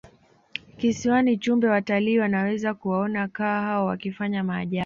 kisiwani chumbe watalii wanaweza kuwaona kaa hao wakifanya maajabu